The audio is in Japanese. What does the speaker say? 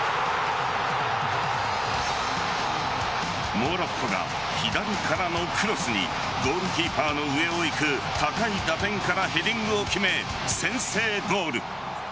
モロッコが左からのクロスにゴールキーパーの上をいく高い打点からヘディングを決め先制ゴール。